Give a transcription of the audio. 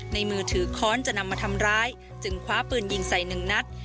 มือถือค้อนจะนำมาทำร้ายจึงคว้าปืนยิงใส่หนึ่งนัด